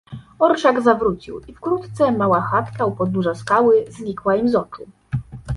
"Orszak zawrócił i wkrótce mała chatka u podnóża skały znikła im z oczu."